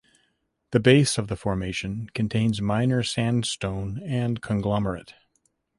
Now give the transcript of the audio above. The base of the formation contains minor sandstone and conglomerate.